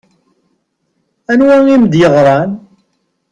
Anwa i m-d-yeɣṛan?